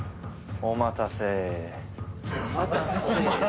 「おまたせ」